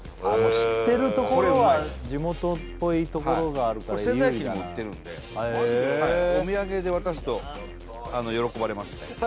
知ってるところは地元っぽいところがあるから有利だなこれ仙台駅にも売ってるんでお土産で渡すと喜ばれますねさあ